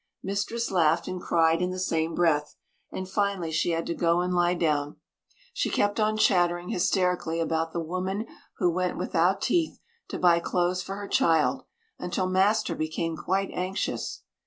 Mistress laughed and cried in the same breath, and finally she had to go and lie down. She kept on chattering hysterically about the woman who went without teeth to buy clothes for her child, until master became quite anxious.